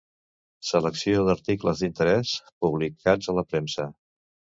Selecció d'articles d'interès publicats a la premsa.